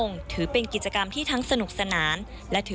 แล้วผมคิดไม่รู้ไม่รู้